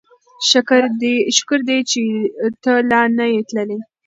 شکر دی چې ته لا نه یې تللی.